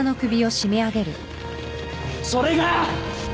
それが。